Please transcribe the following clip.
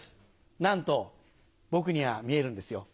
なんと僕には見えるんですよ。